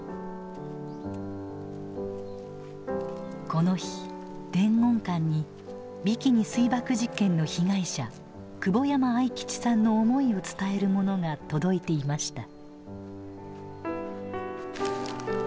この日伝言館にビキニ水爆実験の被害者久保山愛吉さんの思いを伝えるものが届いていました。